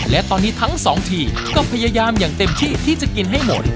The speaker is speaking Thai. และตอนนี้ทั้งสองทีมก็พยายามอย่างเต็มที่ที่จะกินให้หมด